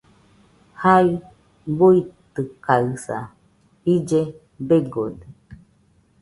Jai buitɨkaɨsa , ille begode.